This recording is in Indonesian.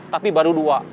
tapi baru dua